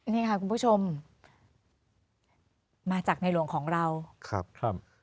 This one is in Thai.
นี่ค่ะคุณผู้ชมมาจากในหลวงของเราครับครับ